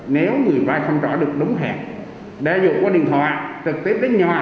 nếu người vai không trỏ được đúng hẹn đa dụng qua điện thoại trực tiếp đến nhà